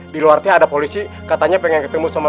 di luar tiada polisi katanya pengen ketemu sama